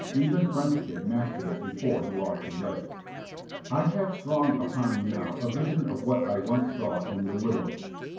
Even French Kid mastered it before he lost his legs. I have strong upon me now a vision of what I once saw in "The Willows."